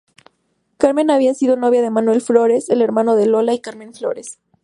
Carmen había sido novia de Manuel Flores, el hermano de Lola y Carmen Flores.